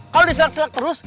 kalau diselak selak terus